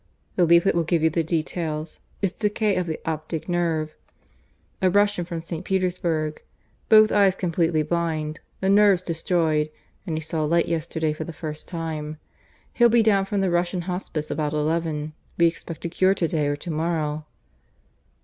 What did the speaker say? "The leaflet will give you the details. It's decay of the optic nerve a Russian from St. Petersburg. Both eyes completely blind, the nerves destroyed, and he saw light yesterday for the first time. He'll be down from the Russian hospice about eleven. We expect a cure to day or to morrow."